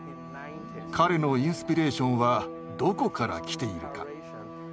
彼のインスピレーションはどこから来ているか。